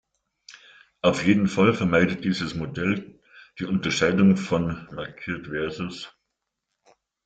Auf jeden Fall vermeidet dieses Modell die Unterscheidung von markiert vs.